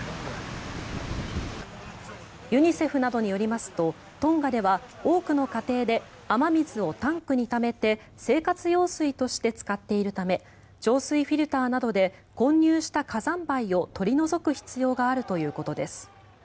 ユニセフなどによりますとトンガでは多くの家庭で雨水をタンクにためて生活用水として使っているため浄水フィルターなどで混入した火山灰を取り除く必要があるということです。